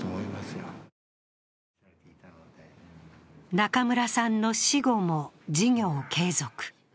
中村さんの死後も事業を継続。